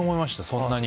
そんなに。